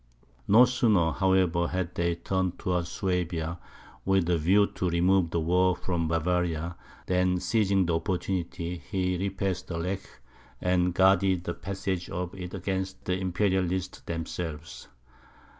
No sooner, however, had they turned towards Suabia, with a view to remove the war from Bavaria, than, seizing the opportunity, he repassed the Lech, and guarded the passage of it against the Imperialists themselves.